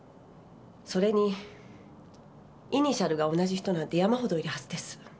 それにイニシャルが同じ人なんて山ほどいるはずです。